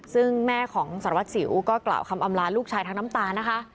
ซึ่งแม่ของสารวัตรสิวก็กล่าวคำอำลาลูกชายทั้งน้ำตานะคะ